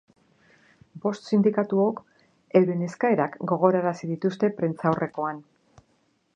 Bost sindikatuok euren eskaerak gogorarazi dituzte prentsaurrekoan.